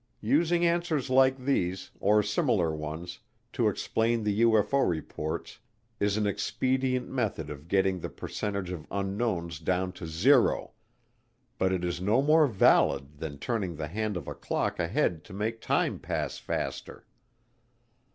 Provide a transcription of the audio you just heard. Using answers like these, or similar ones, to explain the UFO reports is an expedient method of getting the percentage of unknowns down to zero, but it is no more valid than turning the hands of a clock ahead to make time pass faster.